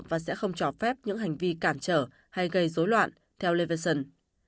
và sẽ không cho phép những hành vi cản trở hay gây rối loạn theo levinson